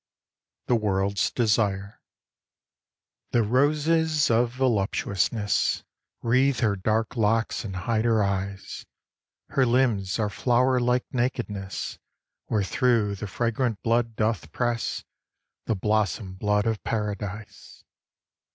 THE WORLD'S DESIRE The roses of voluptuousness Wreathe her dark locks and hide her eyes; Her limbs are flower like nakedness, Wherethrough the fragrant blood doth press, The blossom blood of Paradise.